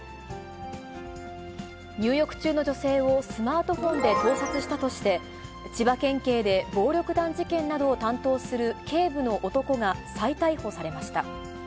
入浴中の女性をスマートフォンで盗撮したとして、千葉県警で暴力団事件などを担当する警部の男が再逮捕されました。